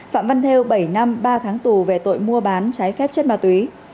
phạm văn thêu bảy năm ba tháng tủ về tội mua bán trái phép chất ma túy